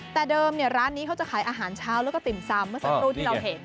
แต่เดิมร้านนี้เขาจะขายอาหารเช้าแล้วก็ติ่มซำเมื่อสักครู่ที่เราเห็น